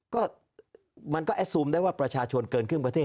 ก็มันก็แอดซูมได้ว่าประชาชนเกินครึ่งประเทศ